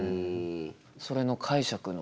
それの解釈の。